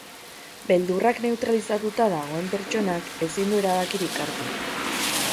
Beldurrak neutralizatuta dagoen pertsonak ezin du erabakirik hartu.